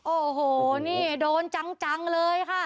โอ้โหนี่โดนจังเลยค่ะ